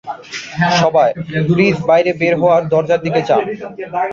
সবাই, প্লিজ বাইরে বের হওয়ার দরজার দিকে যান।